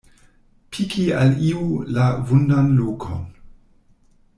Piki al iu la vundan lokon.